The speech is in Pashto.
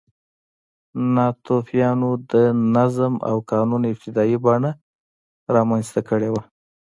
ناتوفیانو د نظم او قانون ابتدايي بڼه رامنځته کړې وه.